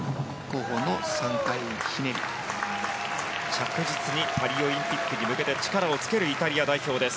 着実にパリオリンピックに向けて力をつけるイタリア代表です。